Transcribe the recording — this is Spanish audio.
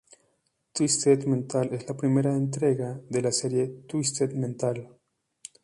Twisted Metal es la primera entrega de la serie Twisted Metal.